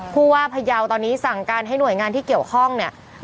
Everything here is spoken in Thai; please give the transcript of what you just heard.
ผู้ว่าพยาวตอนนี้สั่งการให้หน่วยงานที่เกี่ยวข้องเนี่ย